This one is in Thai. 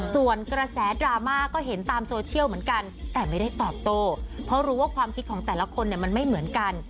ส่วนกระแสดราม่าก็เห็นตามโซเชียลเหมือนกันแต่ไม่ได้ตอบโต้เพราะรู้ว่าความคิดของแต่ละคนเนี่ยมันไม่เหมือนกัน